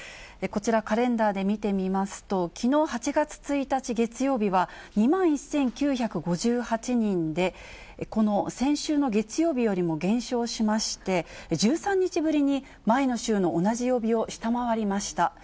こちら、カレンダーで見てみますと、きのう８月１日月曜日は、２万１９５８人で、この先週の月曜日よりも減少しまして、１３日ぶりに前の週の同じ曜日を下回りました。